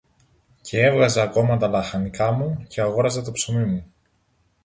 κι έβγαζα ακόμα τα λαχανικά μου και αγόραζα το ψωμί μου.